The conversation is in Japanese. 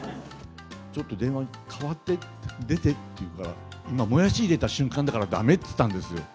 ちょっと電話代わって出てって言うから、今、もやし入れた瞬間だからだめって言ったんですよ。